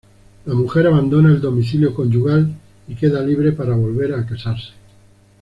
La mujer abandona el domicilio conyugal y queda libre para volver a casarse.